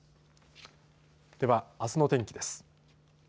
では、あすの天気です。